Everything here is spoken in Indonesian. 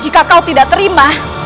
jika kau tidak terima